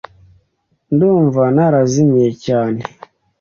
Ndumva narazimiye cyane. .